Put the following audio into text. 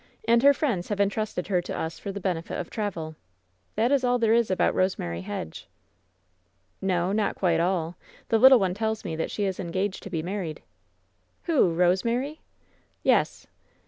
And her friends have intrusted her to us for the benefit of travel. That is all there is about Bosemary Hedge." WHEN SHADOWS BJE 81 '^o^ not quite all. The little one tells me that she is engaged to be married.'' "Who? Kosemary?'' "Yes."